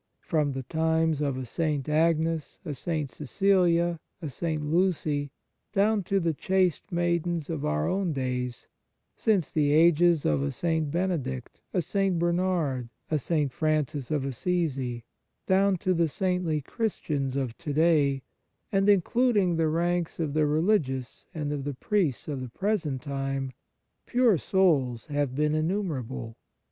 From the times of a St. Agnes, a St. Cecilia, a St. Lucy, down to the chaste maidens of our own days; since the ages of a The Fruits of Piety St. Benedict, a St. Bernard, a St. Francis of Assisi, down to the saintly Christians of to day, and including the ranks of the religious and of the priests of the present time, pure souls have been innumerable.